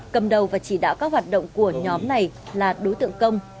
cầm đầu và chỉ đạo các hoạt động của nhóm này là đối tượng công